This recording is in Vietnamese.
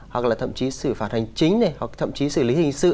hoặc là thậm chí xử phạt hành chính này hoặc thậm chí xử lý hình sự